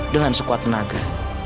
dengan sekuat tenaga